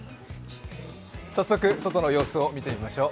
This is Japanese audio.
早速、外の様子を見てみましょう。